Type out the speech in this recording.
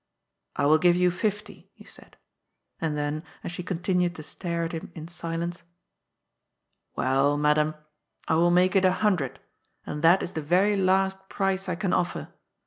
" I will give you fifty," he said, and then — as she con tinued to stare at him in silence — ^'^well, madam, I will make it a hundred, and that is the very last price I can offer.